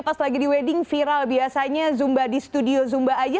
karena di wedding viral biasanya zumba di studio zumba aja